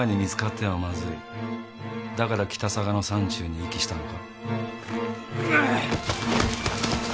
だから北嵯峨の山中に遺棄したのか？